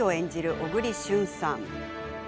小栗旬さん。